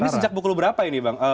ini sejak pukul berapa ini bang